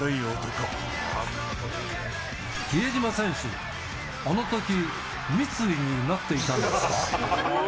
比江島選手、あのとき、三井になっていたんですか？